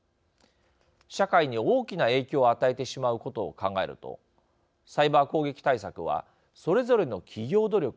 社会に大きな影響を与えてしまうことを考えるとサイバー攻撃対策はそれぞれの企業努力